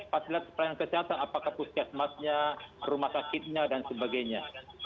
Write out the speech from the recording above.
pasilas perayaan kesehatan apakah puskesmasnya rumah sakitnya dan sebagainya